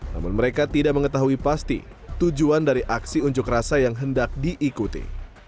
namun mereka tidak mengetahui pasti tujuan dari aksi unjuk rasa yang hendak diikuti